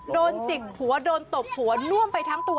จิกหัวโดนตบหัวน่วมไปทั้งตัว